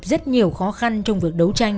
rất nhiều khó khăn trong việc đấu tranh